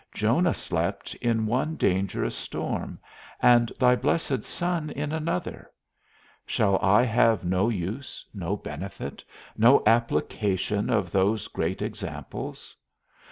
Jonah slept in one dangerous storm, and thy blessed Son in another; shall I have no use, no benefit, no application of those great examples?